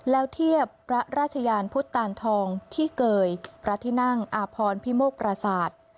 แล้วเทียบพระราชยานพุทธตานทองที่เกยพระที่นั่งอาพรพิโมกปราศาสตร์